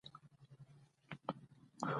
لمر لا د غرونو پر څوکو په زرينو پڼو کې قدم واهه.